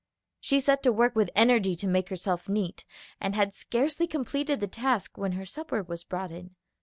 She set to work with energy to make herself neat, and had scarcely completed the task when her supper was brought in.